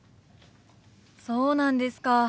そうなんですか。